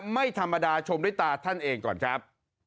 ไม่ธรรมดาชมด้วยตาท่านเองก่อนครับ